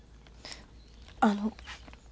あの。